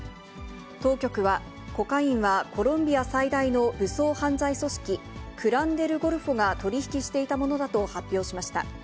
当局は、コカインはコロンビア最大の武装犯罪組織、クラン・デル・ゴルフォが取り引きしていたものだと発表しました。